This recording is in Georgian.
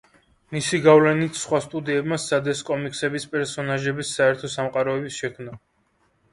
მისი გავლენით სხვა სტუდიებმა სცადეს კომიქსების პერსონაჟების საერთო სამყაროების შექმნა.